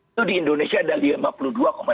itu di indonesia adalah dia maksudnya